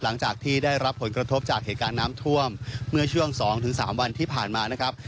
หลังจากที่ได้รับผลกระทบจากเหตุการณ์น้ำท่วมเมื่อช่วง๒๓วันที่ผ่านมานะครับ